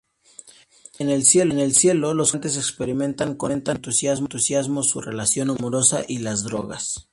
En cielo, los jóvenes amantes experimentan con entusiasmo su relación amorosa y las drogas.